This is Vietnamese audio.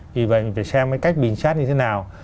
vì vậy mình phải xem cái cách bình xét như thế nào